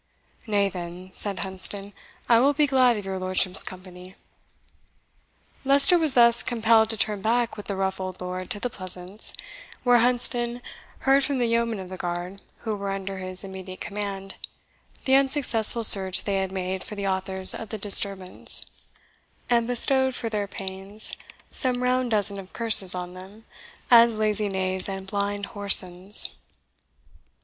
"Nay, then," said Hunsdon, "I will be glad of your lordship's company." Leicester was thus compelled to turn back with the rough old Lord to the Pleasance, where Hunsdon heard from the yeomen of the guard, who were under his immediate command, the unsuccessful search they had made for the authors of the disturbance; and bestowed for their pains some round dozen of curses on them, as lazy knaves and blind whoresons.